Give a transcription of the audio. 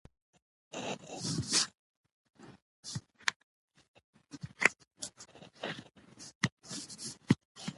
علامه حبیبي د تاریخ د علم سره ژوره علاقه درلودله.